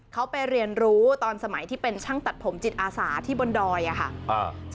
เขาไปเรียนรู้ตอนสมัยที่เป็นช่างตัดผมจิตอาสาที่บนดอยอะค่ะ